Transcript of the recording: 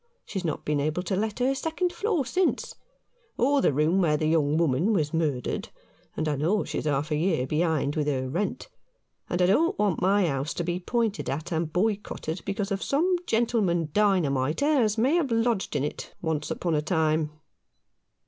She has not been able to let her second floor since, or the room where the young woman was murdered, and I know she's half a year behind with her rent ; and I don't want my house to be pointed at and boycotted because of some gentle man dynamiter as may have lodged in it — once upon a time."